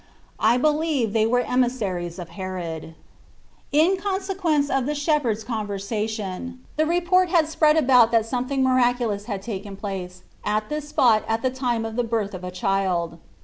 I believe they were emissaries of Herod. io 4 TTbe IRativftE ot In consequence of the shepherds con versation, the report had spread about that something miraculous had taken place at this spot at the time of the birth of a child.